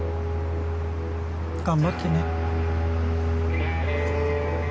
頑張ってね